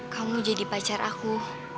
kamu jadi pacar aku